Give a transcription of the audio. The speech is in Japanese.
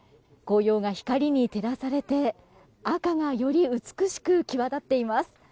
紅葉が光に照らされて赤がより美しく際立っています。